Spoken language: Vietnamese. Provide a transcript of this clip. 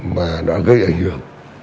mà đã gây ảnh hưởng